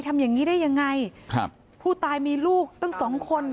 อย่างงี้ได้ยังไงครับผู้ตายมีลูกตั้งสองคน